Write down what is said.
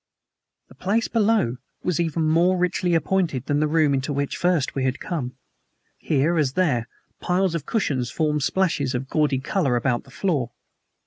The place below was even more richly appointed than the room into which first we had come. Here, as there, piles of cushions formed splashes of gaudy color about the floor.